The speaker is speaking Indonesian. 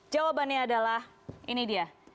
jawabannya adalah ini dia